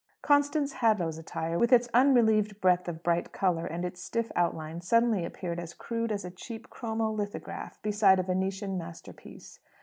Constance Hadlow's attire, with its unrelieved breadth of bright colour and its stiff outline, suddenly appeared as crude as a cheap chromo lithograph beside a Venetian masterpiece.